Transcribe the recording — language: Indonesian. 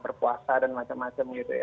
berpuasa dan macam macam gitu ya